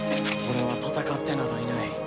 俺は戦ってなどいない。